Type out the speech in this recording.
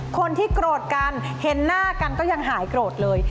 คนที่โกรธกันเห็นหน้ากันก็ยังหายโกรธเลย